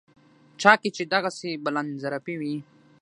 چا کې چې دغسې بلندظرفي وي.